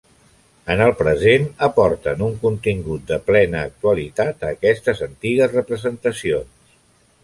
En el present aporten un contingut de plena actualitat a aquestes antigues representacions.